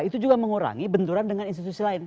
itu juga mengurangi benturan dengan institusi lain